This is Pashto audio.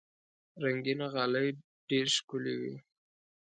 رنګینه غالۍ ډېر ښکلي وي.